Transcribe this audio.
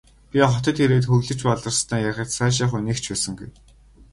Би хотод ирээд хөглөж баларснаа ярихад сайшаах хүн нэг ч байсангүй.